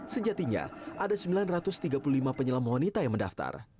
sejatinya ada sembilan ratus tiga puluh lima penyelam wanita yang mendaftar